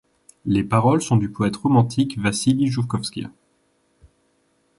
Les paroles sont du poète romantique Vassili Joukovski.